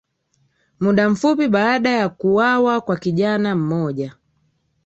muda mfupi baada ya kuwawa kwa kijana mmoja